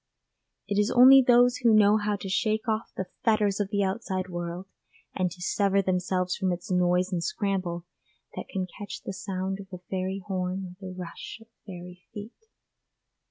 It is only those who know how to shake off the fetters of the outside world, and to sever themselves from its noise and scramble, that can catch the sound of a fairy horn or the rush of fairy feet.